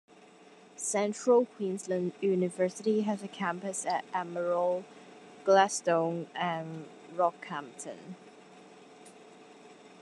Central Queensland University has a campus at Emerald, Gladstone and Rockhampton.